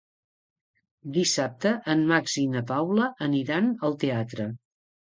Dissabte en Max i na Paula aniran al teatre.